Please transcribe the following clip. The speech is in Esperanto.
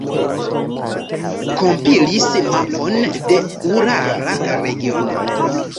Kompilis mapon de urala regiono.